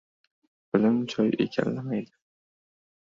Bilim joy egallamaydi.